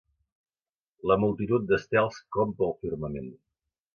La multitud d'estels que omple el firmament.